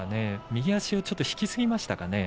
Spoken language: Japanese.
右足を少し引きすぎましたかね。